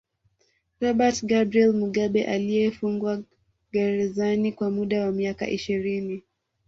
Robert Gabriel Mugabe aliyefungwa gerzani kwa muda wa miaka ishirini